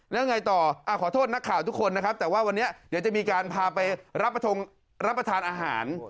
แล้วยังไงต่อขอโทษนักข่าวทุกคนนะครับแต่ว่าวันนี้เดี๋ยวจะมีการพาไปรับประทานอาหาร